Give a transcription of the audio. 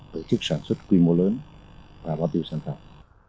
tự chức sản xuất quy mô lớn và báo tiêu sản phẩm